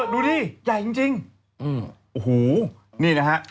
เออดูดิใหญ่จริงจริงอืมโอ้โหนี่นะฮะ